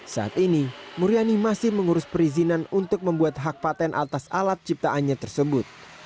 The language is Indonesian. saat ini muriani masih mengurus perizinan untuk minyak tanah